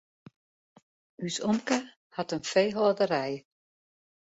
Us omke hat in feehâlderij.